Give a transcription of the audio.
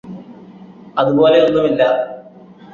അതുപോലെയൊന്നുമില്ലാ